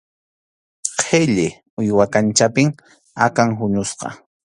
Qhilli, uywa kanchapi akan huñusqa.